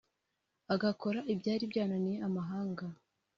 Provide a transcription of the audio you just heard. agakora ibyari byananiye amahanga